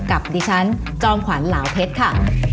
กับดิฉันจอมขวัญเหลาเพชรค่ะ